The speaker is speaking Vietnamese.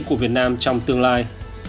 của việt nam trong tương lai